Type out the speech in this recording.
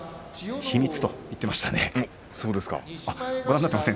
秘密だと言っていましたね。